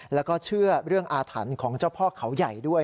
แล้วก็เชื่อเรื่องอาถรรพ์ของเจ้าพ่อเขาใหญ่ด้วย